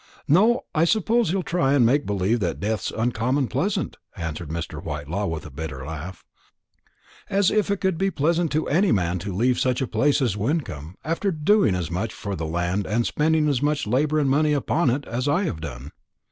"No, I suppose he'll try and make believe that death's uncommon pleasant," answered Mr. Whitelaw with a bitter laugh; "as if it could be pleasant to any man to leave such a place as Wyncomb, after doing as much for the land, and spending as much labour and money upon it, as I have done.